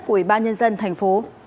của ubnd tp